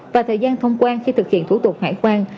và thời gian thông quan khi thực hiện thủ tục hải quan